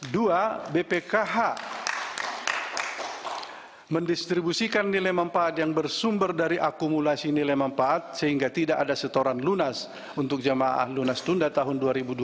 dua bpkh mendistribusikan nilai mempaat yang bersumber dari akumulasi nilai mempaat sehingga tidak ada setoran lunas untuk jamaah lunas tunda tahun dua ribu dua puluh